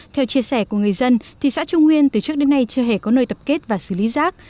theo chia sẻ của người dân thì xã trung nguyên từ trước đến nay chưa hề có nơi tập kết và xử lý rác